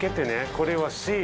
これはＣ。